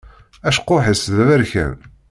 Acekkuḥ-is d aberkan.